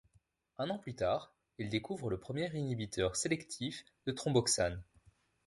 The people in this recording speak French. Un an plus tard il découvre le premier inhibiteur sélectif de thromboxanes.